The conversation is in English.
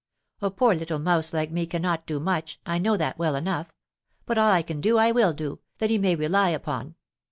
A poor little mouse like me cannot do much, I know that well enough; but all I can do I will do, that he may rely upon.